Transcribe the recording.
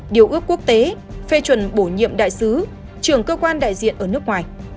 điều ước quốc tế phê chuẩn bổ nhiệm đại sứ trưởng cơ quan đại diện ở nước ngoài